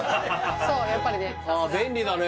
そうやっぱりね